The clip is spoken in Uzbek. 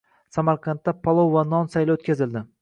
Samarqandda palov va non sayli oʻtkazildi